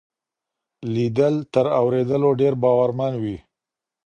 ليدل تر اورېدلو ډېر باورمن وي.